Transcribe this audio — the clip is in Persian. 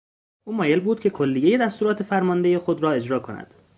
او مایل بود که کلیهی دستورات فرماندهی خود را اجرا کند.